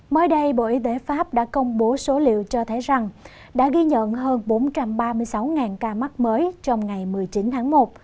mới đây bộ y tế pháp đã công bố số liệu cho thấy rằng đã ghi nhận hơn bốn trăm ba mươi sáu ca mắc mới trong ngày một mươi chín tháng một